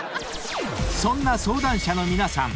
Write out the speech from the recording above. ［そんな相談者の皆さん］